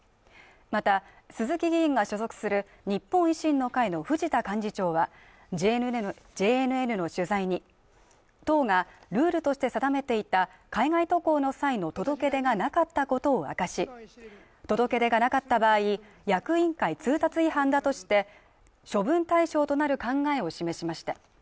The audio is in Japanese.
また、鈴木議員が所属する日本維新の会の藤田幹事長はＪＮＮの取材に、党がルールとして定めていた海外渡航の際の届け出がなかったことを明かし届け出がなかった場合役員会通達違反だとして処分対象となる考えを示しました。